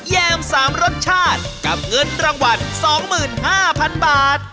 แยม๓รสชาติกับเงินรางวัล๒๕๐๐๐บาท